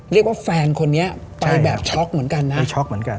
เรียกว่าแฟนคนนี้ไปแบบช็อกเหมือนกันนะ